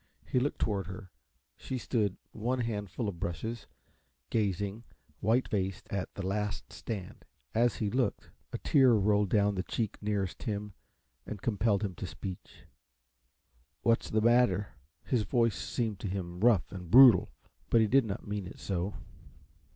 He looked toward her; she stood, one hand full of brushes, gazing, white faced, at "The Last Stand." As he looked, a tear rolled down the cheek nearest him and compelled him to speech. "What's the matter?" His voice seemed to him rough and brutal, but he did not mean it so.